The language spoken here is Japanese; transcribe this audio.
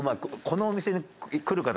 このお店に来る方